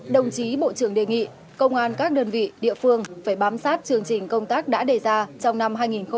đồng chí bộ trưởng đề nghị công an các đơn vị địa phương phải bám sát chương trình công tác đã đề ra trong năm hai nghìn hai mươi